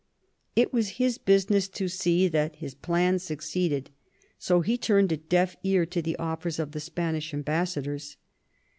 It was his business to see that his plan succeeded. So he turned a deaf ear to the offers of the Spanish ambassa dors.